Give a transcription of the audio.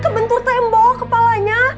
kebentur tembok kepalanya